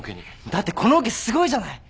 だってこのオケすごいじゃない。